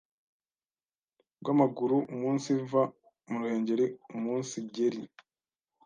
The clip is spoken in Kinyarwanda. rw’amaguru umunsiva mu ruhengeri umunsiger i